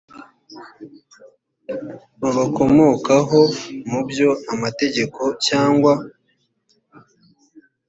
babakomokaho mu byo amategeko cyangwa